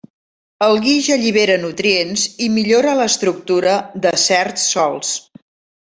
El guix allibera nutrients i millora l'estructura de certs sòls.